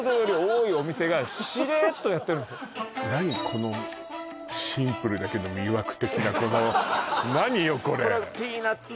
このシンプルだけど魅惑的なこの何よこれこれピーナツ